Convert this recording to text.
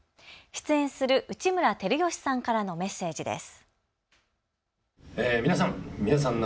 出演する内村光良さんからのメッセージです。